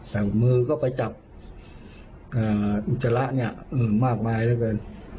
แต่มือก็ไปจับอ่าอุจจระเนี้ยอืมมากมายแล้วกัน